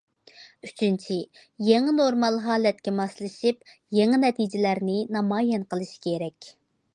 ئۈچىنچى، يېڭى نورمال ھالەتكە ماسلىشىپ، يېڭى نەتىجىلەرنى نامايان قىلىش كېرەك.